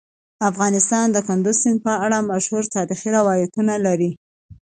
افغانستان د کندز سیند په اړه مشهور تاریخی روایتونه لري.